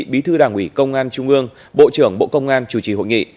bí thư đảng ủy công an trung ương bộ trưởng bộ công an chủ trì hội nghị